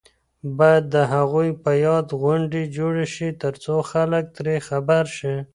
باید د هغوی په یاد غونډې جوړې شي ترڅو خلک ترې خبر شي.